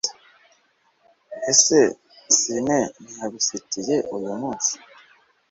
Mbese Sine ntiyagusekeye uyumunsi